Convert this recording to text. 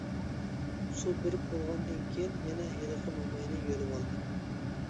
سۇ بېرىپ بولغاندىن كېيىن، يەنە ھېلىقى موماينى يۆلىۋالدى.